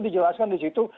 dijelaskan di situ